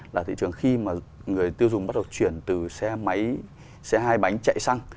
là thị trường khi mà người tiêu dùng bắt đầu chuyển từ xe máy xe hai bánh chạy xăng